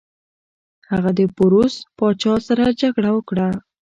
هغه د پوروس پاچا سره جګړه وکړه.